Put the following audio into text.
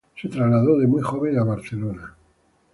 Se trasladó de muy joven a Barcelona.